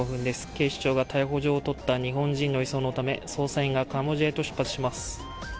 警視庁が逮捕状を取った日本人の移送のため、捜査員がカンボジアへと出発します。